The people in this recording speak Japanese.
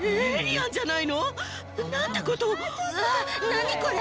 何これ？